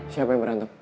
siapa yang berantem